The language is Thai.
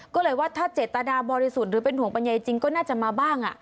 ก็เลยว่าถ้าเจตนาบริสุทธิ์หรือเป็นห่วงปัญญาจริงก็น่าจะมาบ้าง